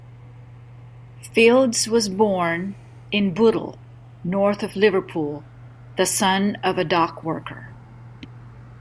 Fields was born in Bootle, north of Liverpool, the son of a dockworker.